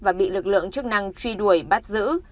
và bị lực lượng chức năng truy đuổi bắt giữ